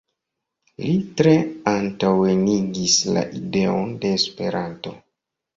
Li tre antaŭenigis la ideon de Esperanto.